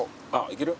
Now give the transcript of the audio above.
いける？